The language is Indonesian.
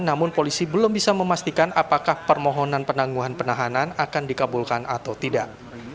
namun polisi belum bisa memastikan apakah permohonan penangguhan penahanan akan dikabulkan atau tidak